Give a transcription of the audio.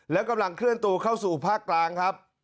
แล้วกำลังเคลื่อนตัวเข้าสู่ภาคกลางครับ